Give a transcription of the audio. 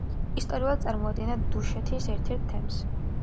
ისტორიულად წარმოადგენდა თუშეთის ერთ-ერთ თემს.